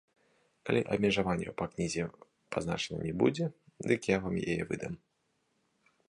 Калі абмежаванняў на кнізе пазначана не будзе, дык я вам яе выдам.